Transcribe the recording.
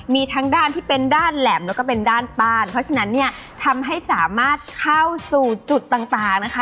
มีทั้งด้านที่เป็นด้านแหลมแล้วก็เป็นด้านป้านเพราะฉะนั้นเนี่ยทำให้สามารถเข้าสู่จุดต่างนะคะ